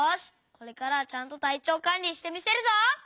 これからはちゃんとたいちょうかんりしてみせるぞ！